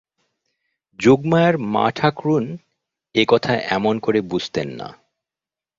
যোগমায়ার মা-ঠাকরুন এ কথা এমন করে বুঝতেন না।